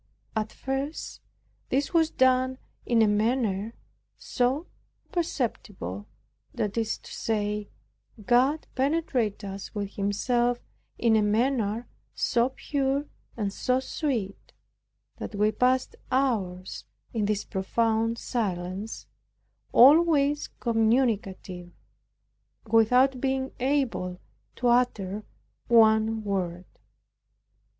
At first this was done in a manner so perceptible, that is to say, God penetrated us with Himself in a manner so pure and so sweet, that we passed hours in this profound silence, always communicative, without being able to utter one word.